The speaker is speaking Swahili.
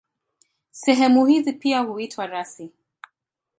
Sehemu hizi pia huitwa rasi.